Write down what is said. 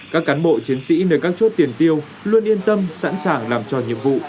các cán bộ chiến sĩ nơi các chốt tiền tiêu luôn yên tâm sẵn sàng làm tròn nhiệm vụ